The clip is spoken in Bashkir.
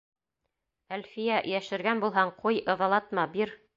Әлфиә, йәшергән булһаң, ҡуй, ыҙалатма, бир.